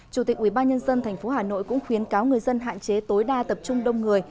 chủ tịch ubnd tp hà nội cũng khuyến cáo người dân hạn chế tối đa tập trung đông người